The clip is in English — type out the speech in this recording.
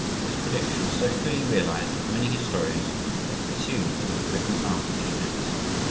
This prediction was so fully realized that many historians have assumed that it was written after the events.